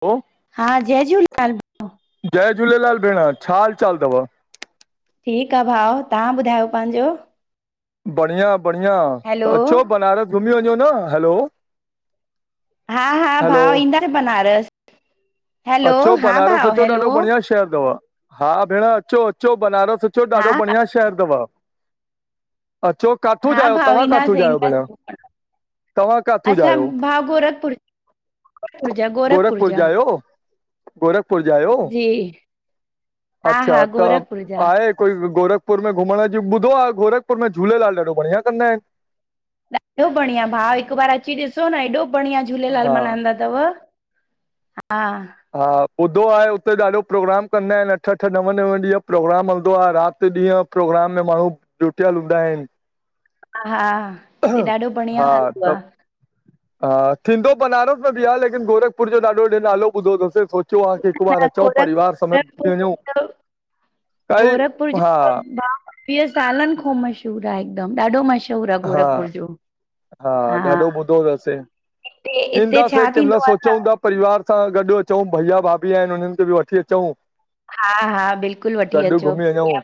पो हा जय झूलेलाल! जय झूलेलाल भेण, छा हाल चाल तव? ठीकु आ भाव, तां ॿुधायो पंहिंजो? बढ़िया बढ़िया, हैलो तां अचो बनारस घुमी वञो न। हलो हा हा भाव ईंदा बनारस, हैलो, अचो हा बनारस भाव अचो हैलो ॾाढो बढ़िया हा भेण अचो अचो बनारस अचो हा ॾाढो बढ़िया शहर तव। अचो काथूअ हा जा आयो, भाउ तवहां काथूअ ईंदासीं जा आयो भेण? ईंदासीं तव्हां काथू जा असां आहियो? भाउ गोरखपुर गोरखपुर जा आयो? गोरखपुर जा आयो? जी हा हा अच्छा त गोरखपुर जा आहे कोई गोरखपुर में घुमण जी, ॿुधो आ गोरखपुर में झूलेलाल ॾाढो बढ़िया कदां आहिनि। ॾाढो बढ़िया भा, हिकु बार अची ॾिसो न एॾो बढ़िया झूलेलाल हा मनानंदा तव हा। हा, ॿुधो आहे उते ॾाढो प्रोग्राम कंदा आहिनि, अठ अठ नव नवे ॾींहुं प्रोग्राम हलंदो आहे राति ॾींहुं। प्रोग्राम में माण्हू जूटियलु हूंदा आहिनि। हा हिते ॾाढो बढ़िया हा हलंदो त आ। हा, थींदो बनारस में बि आ लेकिन गोरखपुर जो ॾाढो ॾे नालो ॿुधो तसे सो चोआ कि हिकु बार न अचो गोरख परिवार समेत गोरखपुर भेनरूं। त गोरखपुर जो भा वींह सालनि खौं मशहूर आहे हिकदमि ॾाढो मशहूर हा, हा ॾाढो ॿुधो तसे हिते हिते ईंदासीं छा के मलि थींदो आहे सोचउ न ता परिवार सां गॾु अचऊ, भैया भाभी आहिनि हुननि खे बि वठी अचऊ। हा हा बिल्कुलु वठी अचो। घुमी वञूं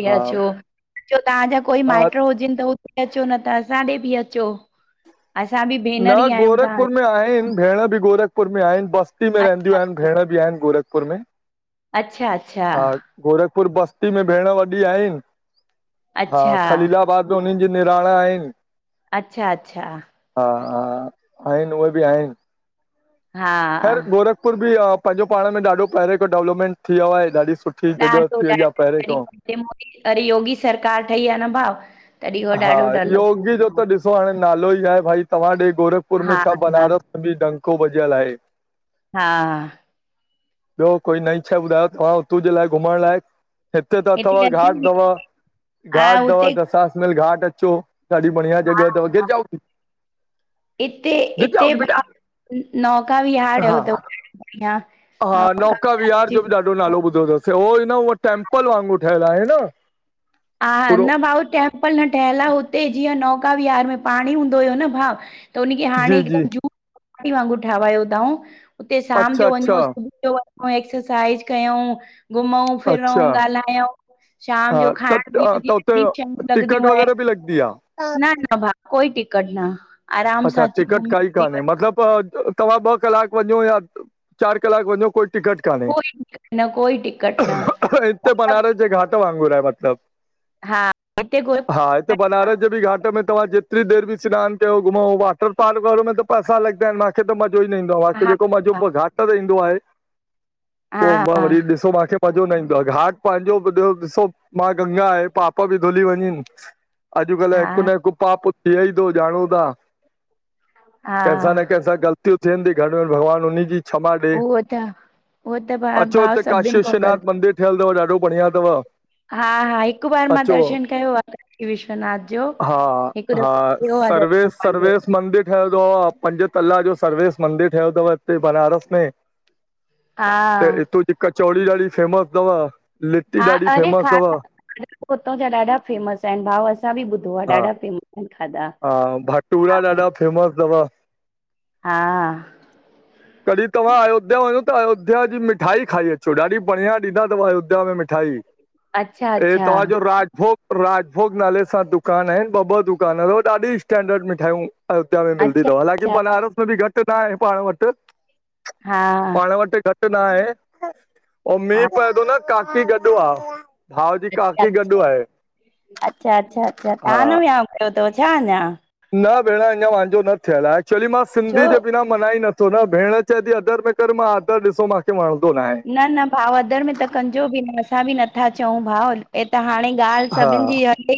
इया हा छो, जो तांजा कोई हा माइट हुजनि त हु ते अचो न त असां ॾे बि अचो। असां बि भे न गोरखपुर में आहिनि, भेण बि गोरखपुर में आहिनि, बस्ती में अच्छा रहंदियूं आहिनि भेण बि आहिनि गोरखपुर में, अच्छा, अच्छा। हा गोरखपुर बस्ती में भेण वॾी आहिनि। हा अच्छा खलीलाबाद त उननि जी निणान आहिनि, अच्छा- अच्छा। हा -हा, आहिनि उहे बि आहिनि। हा खैर गोरखपुर बि आ पंहिंजो पाण में ॾाढो पहिरे खां डेवलपमेंट थी वियो आहे। ॾाढी सु ठी जॻह थी वई आ पहिरे खां। हे मोदी, अरे योगी सरकार ठई आ न भाव, हा, योगी जो त ॾिसो हाणे नालो ई आहे, भई तव्हां ॾे गोरखपुर में हा छा बनारस बि डंको ॿजियल आहे। हा। ॿियो कोई नईं शय ॿुधायो तव्हां हुतो जे लाइ घुमण लायक? हिते त अथव घाट तव, हा घाट तव हुते दसासनल घाट अचो। ॾाढी बढ़िया हा जॻह तव, गिर जाओगी हिते गिर हिते जाओगी बेटा भा नौका विहाण हा [unintelligible] हा नौका विहार जो बि ॾा ढो नालो ॿुधो तस हो एन ओ टेंपल वांगुरु ठहियल आहे न, हा, पूरो न भाऊ टेम्पल न ठहियलु आ, हुते जीअं नौका विहार में पाणी हूंदो हुयो न भाऊ त उन खे हाणे जी जी हिकदमि झूपड़ी वांगुरु ठावायो तउं। उते शाम अच्छा जो अच्छा वञो, सुबुह जो वञो, एक्सरसाइज कयऊं, घुमऊं, अच्छा फिरऊं, ॻाल्हायऊं शाम हा जो त खाइण त हुते टिकट वग़ैरह [unintelligible] बि लॻंदी आहे न न भा कोई टिकट न आराम अच्छा सां अची टिकट घुमी काई फिरी कान्हे। मतलब तव्हां ॿ कलाक वञो या चारि कलाक वञो, कोई टिकट कान्हे कोई टिकट न कोई टिकट न, ते बनारस जे घाट वांगुर आहे मतलब, हा हिते हा हिते बनारस जे बि घाट में तवां जेतिरी देर बि स्नानु कयो, घुमऊं वॉटर पार्क वारे में त पैसा लॻदाइन मांखे त मज़ो ई न ईंदो आ, मांखे हा जेको मज़ो घाट ते ईंदो आहे हा पो मां हा वरी ॾिसो मांखे मज़ो न ईंदो आ, घाट पंहिंजो ॿियो ॾिसो मां गंगा आहे पाप बि धुली वञनि, अॼुकल्ह हिकु हा न हिकु पाप थिए ई तो ॼाणूं ता? हा कंहिं सां न कहिं सां ग़लतियूं थीयनती घर में भॻवान उन्हे जी क्षमा ॾे उहो त उहो त भा अचो भाउ हिते काशी सभिनि खां ग़लति विश्वनाथ मंदिर ठयलतव ॾाढो बढ़िया तव। हा -हा हिकु बार मां दर्शन कयो आ, काशी विश्वनाथ जो हा हिकु दफ़ो -हा, थियो आहे सर्वे दर्शन -सर्वे पंहिंजो मंदिर ठहियो आ पंज तला जो सर्विस मंदिर ठहियल तव हिते बनारस में, हा त इतों जी कचौड़ी ॾाढ़ी फेमस तव। हा अरे खाद खाधा हुतां जा ॾाढा फेमस आहिनि भाऊ असां बि ॿुधो आ, हा ॾाढा फेमस आहिनि खाधा। हा, भटूरा ॾाढा फेमस तव। हा कॾी तव्हां अयोध्या वञो त, अयोध्या जी मिठाई खाई अचो, ॾाढी बढ़िया ॾींदा तव अयोध्या में, मि अच्छा [unintelligible] अच्छा तव्हांजो राजभोग राजभोग नाले सां दुकान आहिनि ॿ-ॿ दुकान तव ॾाढी स्टैंडर्ड मिठाइयूं अध मे मिलंदी अच्छा तव हालाकी अच्छा बनारस में बि घट न आहे पाण वट। हा पाण वट घट घट न आहे [unintelligible] हा पए थो न काफी गॾु आ। भाउ जी अच्छा काकी गॾु आहे -अच्छा अच्छा तव्हां न हा। विहयाव न कयो तव छा अञा? न भेण अञा मांजो न थियल आहे एक्चुली मां छो सिंधी जे बिना मना ई नथो न, भेण चए थी अदर में कर मां आदर ॾिसो मूंखे वणंदो न आहे। न न भाव अदर में त कंजो बि न असां बि नथा चऊं भाव हे त हाणे ॻाल्हि हा सभिनि जी हले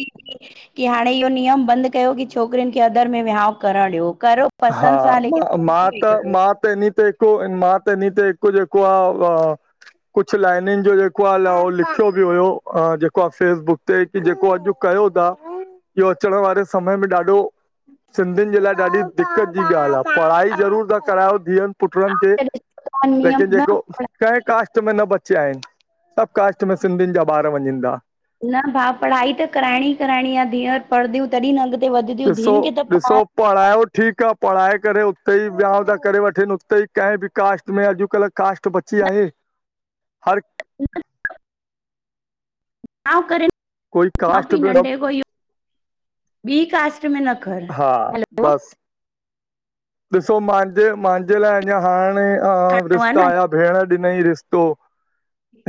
की हाणे इहो नियम बंद कयो की छोकिरियुन खे अदर में विहाांउ कर ॾियो कर हा, मां मां त मां त इन ते हिकु मां त इनी ते हिकु जेको आ कुछ लाइनिनि जो जेको आ उो लिखियो बि हुयो जेको आ फेसबुक ते की जेको अॼु कयो था इहो अचण वारे समय में ॾाढो, सिंधियुनि जे लाइ ॾाढी दिक्क़त जी ॻाल्हि आ, पढ़ाई ज़रूर था करायो धीअनि पुट्रनि ते नियम लेकिन न जेको कंहिं कास्ट त में न बचिया आहिनि सब कास्ट में सिंधियुनि जा ॿार वञनि था। न भाउ पढ़ाई त कराइणी ई कराइणी आ धीअर पढ़ंदियूं तॾहिं न अॻिेते वधंदियूं ॾिसो धीअनि खे त पडा ॾिसो पढ़ायो ठीक आ पढ़ाए करे उते ही वियांउ था करे वठनि उते ही कंहिं बि कास्ट में अॼुकल्ह कास्ट बची आहे हर [inaudible] कोई कास्ट बि [unintelligible] बी कास्ट न करने हा हलो बसि ॾिसो मांजे मांजे लाइ अञा हाणे अं करिणो आहे रिश्ता न आया भेण ॾिनई रिश्तो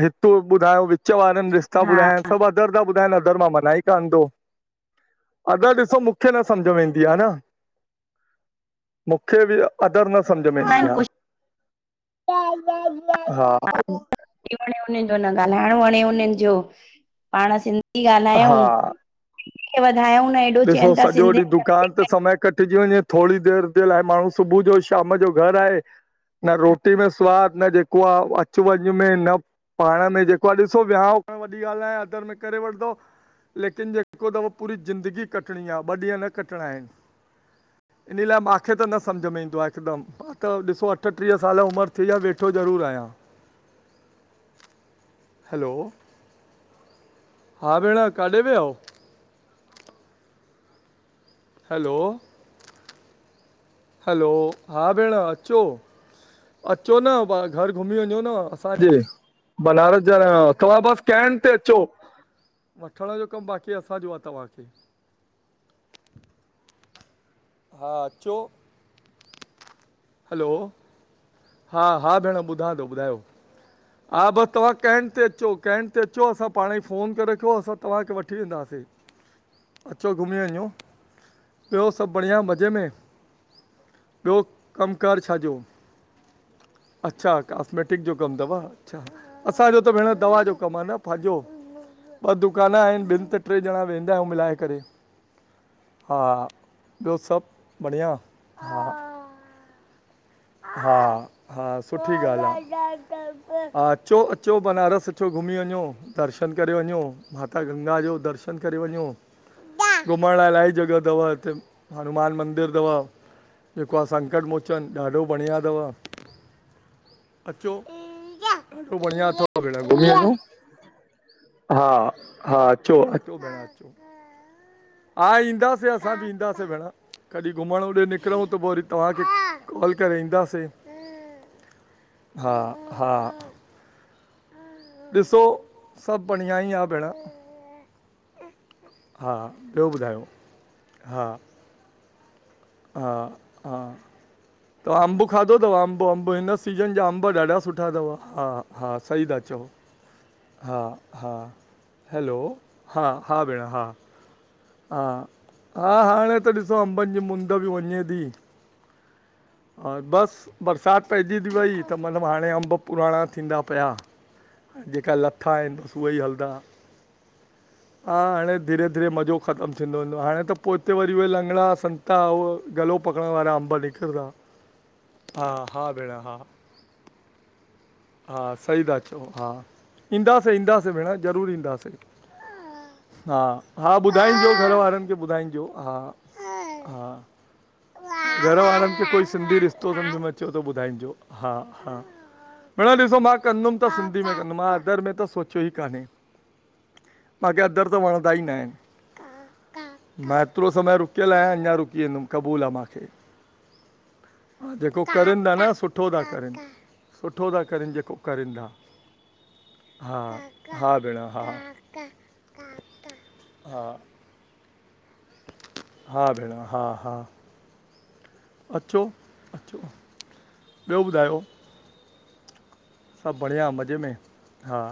हिकु ॿुधायो विच वारनि रिश्ता ॿुधायां हा सभ अधर था ॿुधाइनि अधर मां मनाई कान तो। अदर ॾिसो मूंखे न समझ मे ईदी आ हा न। मूंखे बि अदर न समझ में ईंदी आ। [unintelligible] [unintelligible] न ॻाल्हाइण वण जो उनजो पाण सिंध ही हा ॻाल्हायूं, के वधायूं न हेॾो ॾिसो चवनि था सॼो ॾींह सिंधियुनि खे दुक कान ते समय कटिजी वञे थोड़ी देर जे लाइ माण्हू सुबुह जो शाम जो घर आहे। न रोटी में स्वाद न जेको आ अचु वञु में न पाण में जेको आ, ॾिसो विहाांउ मे वॾी ॻाल्हि आहे अदर में करे वठंदो लेकिन जेको दफ़ो पूरी ज़िंदगी कटणी आ ॿ ॾींहं न कटणा आहिन। इन लाइ माखे त न समझ में ईंदो आहे हिकदम। त ॾिसो अठट्रीह साल उमर थीवई आ वेठो ज़रूर आहियां। हैलो हा भेण काॾे वियव? हलो हलो हा भेण अचो अचो न, घर घुमी वञो न असांजे। बनारस जा रहणवारा तव्हां बस कैंट ते अचो। वठण जो कम बाक़ी असांजो आ तव्हांखे। हा अचो। हलो। हा हा भेण ॿुधा ढो ॿुधायो। हा बस तव्हां कैंट ते अचो कैंट ते अचो असां पाणई फ़ोन करे रखो असां तंवांखे वठी वेंदासीं। अचो घुमी वञो ब्यो सभ बढ़िया मज़े में? ब्यो कमकार छाॾो? अच्छा कॉस्मेटिक जो कम थव। अच्छा असांजो त भेण दवा जो कम आ न पांॼो। ॿ दुकान आहिन ॿिन त ट्रे ॼणा वेंदा आहियूं मिलाए करे। हा ब्यो सभ बढ़िया हा। हा। हा सुठी ॻाल् आ हा अचो अचो बनारस अचो घुमी वञो। दर्शन करे वञो माता गंगा जो दर्शन करे वञो। घुमण लाइ अल्लाई जॻह थव हिते हनुमान मंदिर थव। जेको आ संकट मोचन ॾाढो बढ़िया थव। अच्चो बढिया अथव भेण घुमी वञो। घूमी अचो। हा हा अचो अचो भेण अचो। ह ईंदासीं असां बि ईंदासीं भेण। कॾहिं घुमण होॾे निकरउँ त पो वरी तव्हांखे। कॉल करे ईंदासीं हा हा। ॾिसो सभ बढ़िया ई आ भेण। हा ब्यो ॿुधायो हा। हा हा। तव्हां अम्ब खादो थव अम्ब अम्ब हिन सीज़न जा अम्ब ॾाढा सुठा थव हा हा सही था चओ। हा-हा हैलो हा- हा भेण हा। हा हा हाणे त ॾिसो अंबन जी मुंद बि वञे थी। हाण बस बरसात पइजी थी वई त मतलब हाणे अम्ब पुराणा थींदा पया। जेका लथा आहिन बस उएई हलदा। हा हाणे धीरे-धीरे मज़ो ख़तम थींदो वेंदो हाणे त पो हिते वरी उहे लंगड़ा सं। ता उह गलो पकड़ण वारा अम्ब निकिरंदा। हा हा भेण हा। हा सही था चओ हा ईंदासीं ईंदासीं भेण ज़रूर ईंदासीं। हा हा ॿुधाइंजो घर वारन खे ॿुधाइंजो हा हा। घर वारन खे कोई सिंधी रिश्तो सम्झ में अचे थो ॿुधाइंजो हा हा। भेण, ॾिसो मां कंदुम त सिंधी में कंदुम मां अदर में त सोचियो ई कान्हे। माखे अदर त वणंदा ई न आहिन। मां हेतरो समय रुक्यल आहियां अञा रुकी वेंदुम क़बूल आ माखे। हा जेको करनदा था न सुठो था करे। सुठो था करिन जेको करन ढा। हा हा भेण हा हा। हा भेण हा हा अचो अचो। ब्यो ॿुधायो? सभ बढ़िया मज़े में हा।